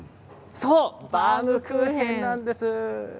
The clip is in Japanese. そうバウムクーヘンなんです。